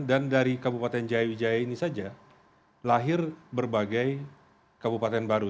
dan dari kabupaten jaya wijaya ini saja lahir berbagai kabupaten baru